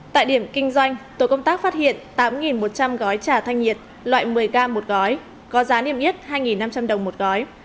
tại điểm kinh doanh tổ công tác phát hiện tám một trăm linh gói trà thanh nhiệt loại một mươi gram một gói có giá niêm yết hai năm trăm linh đồng một gói